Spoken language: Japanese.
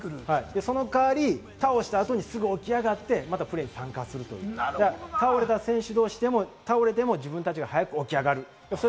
その代わり、倒した後にすぐに起き上がってプレーに参加する、倒れた選手同士でも倒れても、自分たちが早く起き上がる。